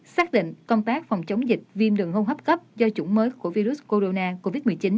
xác định công tác phòng chống dịch viêm đường hô hấp cấp do chủng mới của virus corona covid một mươi chín